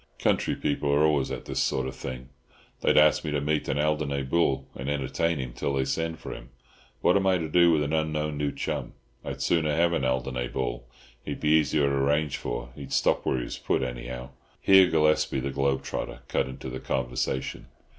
Country people are always at this sort of thing. They'd ask me to meet an Alderney bull and entertain him till they send for him. What am I to do with an unknown new chum? I'd sooner have an Alderney bull—he'd be easier to arrange for. He'd stop where he was put, anyhow." Here Gillespie, the globe trotter, cut into the conversation.